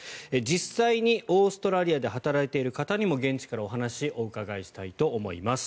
実際にオーストラリアで働いている方にも現地からお話をお伺いしたいと思います。